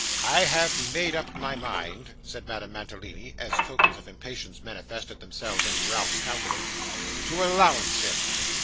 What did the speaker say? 'I have made up my mind,' said Madame Mantalini, as tokens of impatience manifested themselves in Ralph's countenance, 'to allowance him.